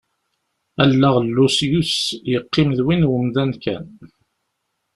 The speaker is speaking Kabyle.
Allaɣ n Lusyus yeqqim d win n wemdan kan.